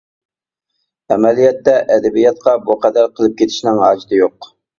ئەمەلىيەتتە ئەدەبىياتقا بۇ قەدەر قىلىپ كېتىشنىڭ ھاجىتى يوق.